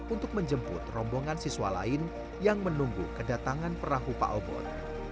untuk menjemput rombongan siswa lain yang menunggu kedatangan perahu pak obot